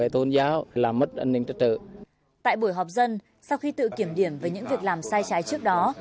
tại buổi họp dân sau khi tự kiểm điểm về những việc làm sai trái trước đó